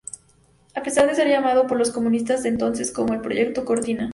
A pesar de ser llamado por los comunistas de entonces como el proyecto cortina.